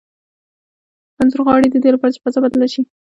رنځور غاړي د دې لپاره چې فضا بدله شي.